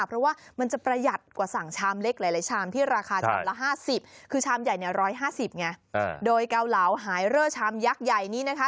เพราะว่ามันจะประหยัดกว่าสั่งชามเล็กหลายชามที่ราคาชามละ๕๐คือชามใหญ่เนี่ย๑๕๐ไงโดยเกาเหลาไฮเรอร์ชามยักษ์ใหญ่นี้นะคะ